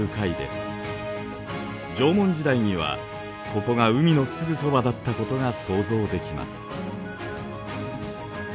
縄文時代にはここが海のすぐそばだったことが想像できます。